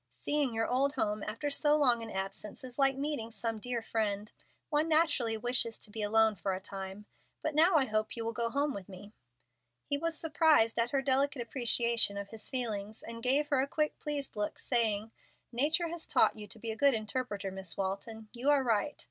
"Seeing your old home after so long an absence is like meeting some dear friend. One naturally wishes to be alone for a time. But now I hope you will go home with me." He was surprised at her delicate appreciation of his feelings, and gave her a quick pleased look, saying: "Nature has taught you to be a good interpreter, Miss Walton. You are right.